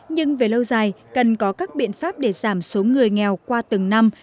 nhưng về lâu dài cần có các biện pháp để giảm số người nghèo qua từng năm